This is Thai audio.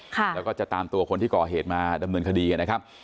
แล้วก็จะตามตัวคนที่ก่อเหตุมาดำเนินคดีนะครับ